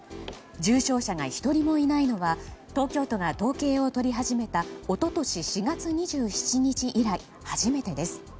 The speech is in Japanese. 重症者が１人もいないのは東京都が統計を取り始めた一昨年４月２７日以来初めてです。